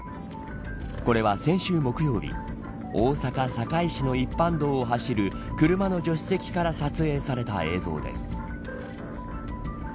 これは先週木曜日大阪、堺市の一般道を走る車の助手席から撮影された映像です。